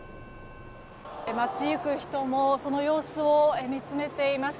街行く人もその様子を見つめています。